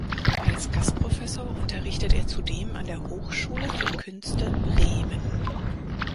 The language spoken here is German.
Als Gastprofessor unterrichtet er zudem an der Hochschule für Künste Bremen.